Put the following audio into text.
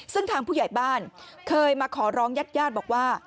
ซึ่งทางผู้ใหญ่บ้านเคยมาขอร้องญาติญาติบอกว่า